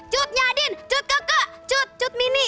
cut nyadin cut ke cut cut mini